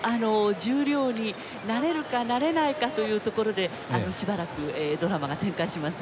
十両になれるかなれないかというところでしばらくドラマが展開します。